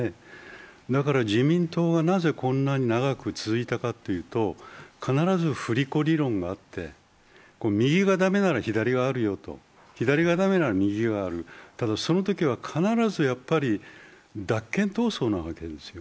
だから自民党がなぜこんなに長く続いたかというと必ず振り子理論があって、右が駄目なら左があるよと、左が駄目なら右がある、ただ、そのときは必ず脱権闘争なんです。